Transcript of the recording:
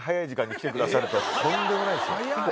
とんでもないですよ。